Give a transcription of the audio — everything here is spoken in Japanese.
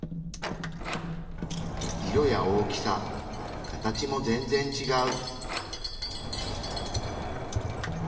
色や大きさ形も全然ちがう。